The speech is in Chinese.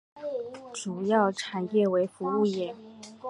主要产业为服务业。